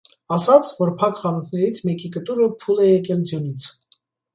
ասաց, որ փակ խանութներից մեկի կտուրը փուլ է եկել ձյունից: